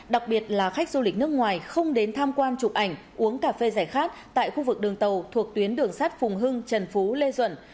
đặc biệt là khách du lịch nước ngoài không đến tham quan chụp ảnh uống cà phê giải khát tại khu vực đường tàu thuộc tuyến đường sát phùng hưng trần phú lê duẩn